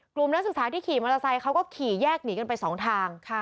นักศึกษาที่ขี่มอเตอร์ไซค์เขาก็ขี่แยกหนีกันไปสองทาง